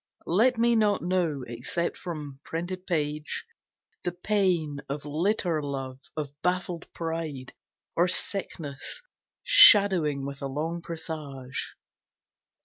Let me not know, except from printed page, The pain of litter love, of baffled pride, Or sickness shadowing with a long presage.